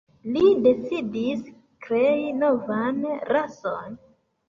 Li decidis krei novan rason.